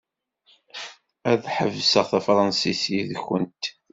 Ad ḥebseɣ tafṛansit yid-went.